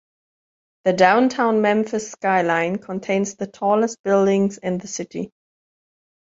The Downtown Memphis skyline contains the tallest buildings in the city.